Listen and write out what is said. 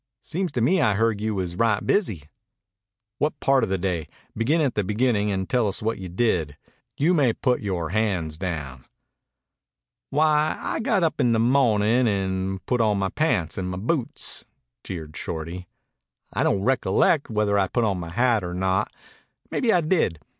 "Seems to me I heard you was right busy." "What part of the day? Begin at the beginnin' and tell us what you did. You may put yore hands down." "Why, I got up in the mo'nin' and put on my pants an' my boots," jeered Shorty. "I don't recolleck whether I put on my hat or not. Maybe I did.